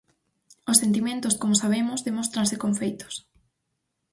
Os sentimentos –como sabemos– demóstranse con feitos.